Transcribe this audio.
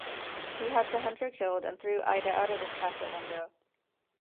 He had the hunter killed and threw Ida out of his castle window.